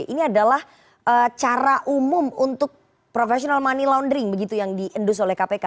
ini adalah cara umum untuk professional money laundering begitu yang diendus oleh kpk